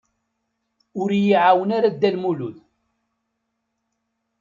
Ur y-iɛawen ara Dda Lmulud.